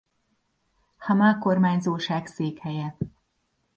Hamá kormányzóság székhelye.